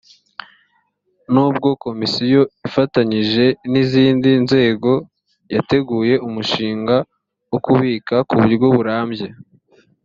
nubwo komisiyo ifatanyije n izindi nzego yateguye umushinga wo kubika ku buryo burambye